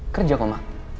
kerja kok ma